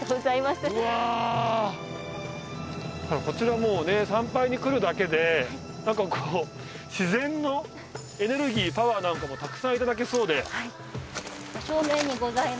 こちらもうね参拝に来るだけでなんかこう自然のエネルギーパワーなんかもたくさんいただけそうで。